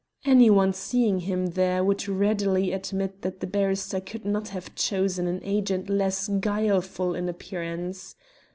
Anyone seeing him there would readily admit that the barrister could not have chosen an agent less guileful in appearance.